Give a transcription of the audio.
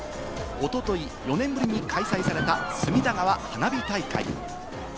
おととい４年ぶりに開催された隅田川花火大会。